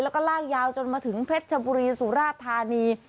แล้วก็ลากยาวจนมาถึงเพชรชบุรีสุราธานี